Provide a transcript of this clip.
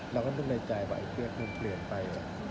เราก็นึกในใจว่าไอ้เบียกนึงเปลี่ยนไป